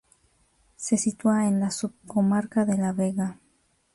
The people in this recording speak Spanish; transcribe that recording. Se sitúa en la Subcomarca de La Vega.